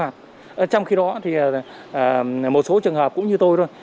trong khi đó thì một số trường hợp cũng như tôi thôi